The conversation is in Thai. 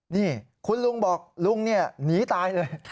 นี่คุณลุงบอกลุงเนี่ยหนีตายเลย